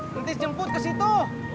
nanti dijemput ke situ